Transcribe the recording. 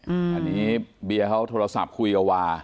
อันนี้เบียร์เขาโทรศัพท์คุยกับวา